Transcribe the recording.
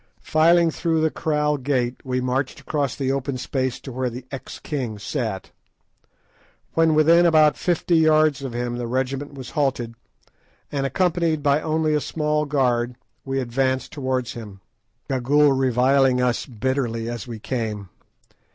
Filing through the kraal gate, we marched across the open space to where the ex king sat. When within about fifty yards of him the regiment was halted, and accompanied only by a small guard we advanced towards him, Gagool reviling us bitterly as we came.